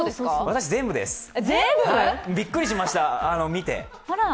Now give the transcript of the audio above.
私全部です、びっくりしました、見て。